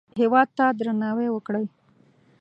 هېواد ته درناوی وکړئ